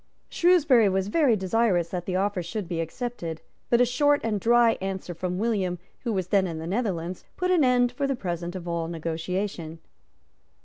Shrewsbury was very desirous that the offer should be accepted; but a short and dry answer from William, who was then in the Netherlands, put an end for the present to all negotiation.